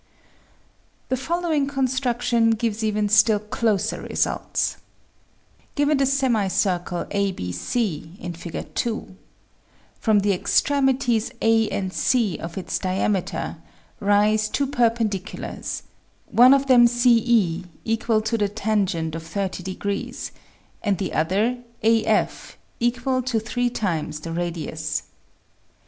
The following construction gives even still closer results : Given the semi circle ABC, Fig 2 ; from the extremities A and C of its diameter raise two perpendiculars, one of them CE, equal to the tangent of 30, and the other AF, equal to three times the radius.